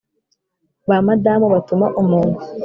Ba Madamu batuma umuntu: